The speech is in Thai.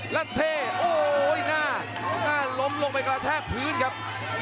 แล้วเท่โอ้โหหน้าล้มลงไปกระแทกพื้นครับ